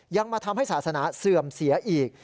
ยังมาทำให้ศาสนาเสื่อมเสียอีก